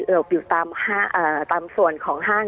อยู่ตามส่วนของห้าง